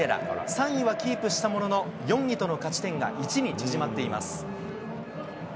３位はキープしたものの、４位との勝ち点が１に縮まっています。